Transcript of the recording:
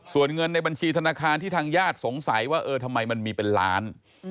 ส่วนเงินในบัญชีธนาคารที่ทางญาติสงสัยว่าเออทำไมมันมีเป็นล้าน